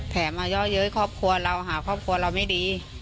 มาย่อเย้ยครอบครัวเราหาครอบครัวเราไม่ดี